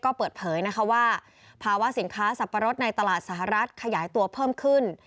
ก็เปิดเผยนะคะว่าภาวะสินค้าสับปะรดในตลาดสหรัฐขยายตัวเพิ่มขึ้น